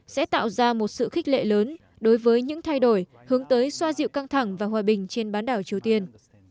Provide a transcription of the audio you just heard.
sẽ tạo ra một sự khích lệ lớn đối với những thay đổi hướng tới xoa dịu căng thẳng và hòa bình trên bán đảo triều tiên